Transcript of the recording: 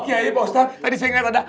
kiai pak ustadz tadi saya ingat ada